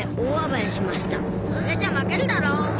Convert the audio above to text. それじゃ負けるだろ！